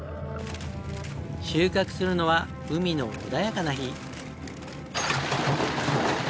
収穫するのは海の穏やかな日。